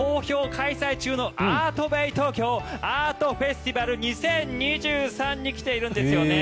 開催中のＡＲＴＢＡＹＴＯＫＹＯアートフェスティバル２０２３に来ているんですよね。